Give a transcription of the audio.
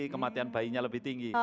kematian bayinya lebih tinggi